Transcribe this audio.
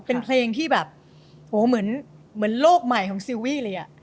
เป็นเพลงที่แบบโหเหมือนโลกใหม่ของซีรีส์เลย